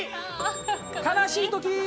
悲しいときー。